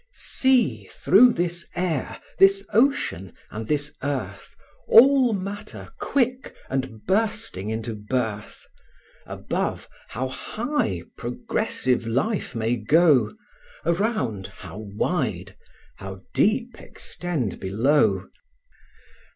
VIII. See, through this air, this ocean, and this earth, All matter quick, and bursting into birth. Above, how high, progressive life may go! Around, how wide! how deep extend below?